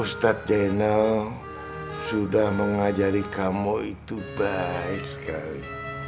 ustadz jainal sudah mengajari kamu itu baik sekali